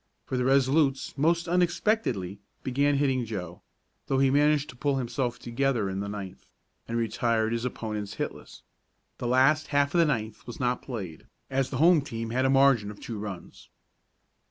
For the Resolutes, most unexpectedly, began hitting Joe, though he managed to pull himself together in the ninth, and retired his opponents hitless. The last half of the ninth was not played, as the home team had a margin of two runs.